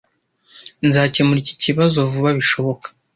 Nzakemura iki kibazo vuba bishoboka.